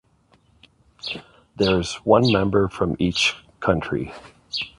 There is one member from each country.